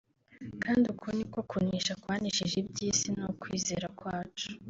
kandi uku niko kunesha kwanesheje iby’isi ni ukwizera kwacu